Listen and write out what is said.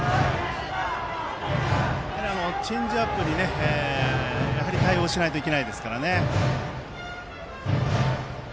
チェンジアップに対応しないといけないですから。